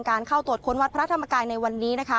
เข้าตรวจค้นวัดพระธรรมกายในวันนี้นะคะ